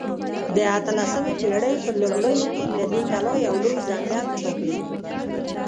د اتلسمې پېړۍ په لومړیو کې له دې کلا یو لوی ځنګل چاپېر و.